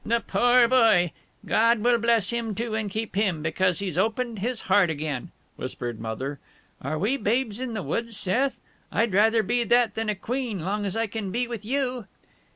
"The poor boy! God will bless him, too, and keep him, because he's opened his heart again," whispered Mother. "Are we babes in the woods, Seth? I'd rather be that than a queen, long as I can be with you."